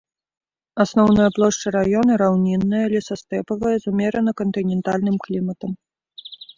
Асноўная плошча раёна раўнінная, лесастэпавая, з умерана кантынентальным кліматам.